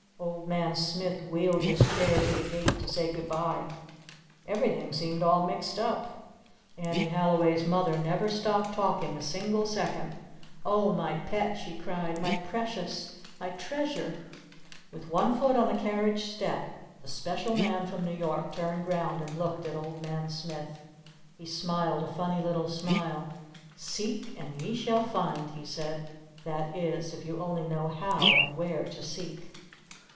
Old Man Smith wheeled his chair to the gate to say "Good bye." Everything seemed all mixed up. Annie Halliway's Mother never stopped talking a single second. "Oh, my Pet!" she cried. "My Precious. My Treasure!" With one foot on the carriage step the Special Man from New York turned round and looked at Old Man Smith. He smiled a funny little smile. "Seek and ye shall find!" he said. "That is if you only know How and Where to seek."